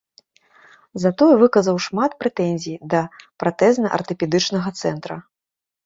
Затое выказаў шмат прэтэнзій да пратэзна-артапедычнага цэнтра.